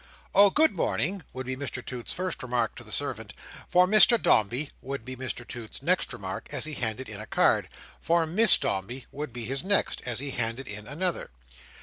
"Oh! Good morning!" would be Mr Toots's first remark to the servant. "For Mr Dombey," would be Mr Toots's next remark, as he handed in a card. "For Miss Dombey," would be his next, as he handed in another.